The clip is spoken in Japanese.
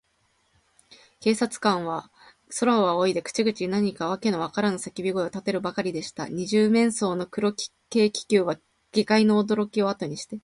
警官隊は、空をあおいで、口々に何かわけのわからぬさけび声をたてるばかりでした。二十面相の黒軽気球は、下界のおどろきをあとにして、